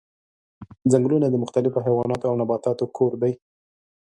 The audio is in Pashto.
ځنګلونه د مختلفو حیواناتو او نباتاتو کور دي.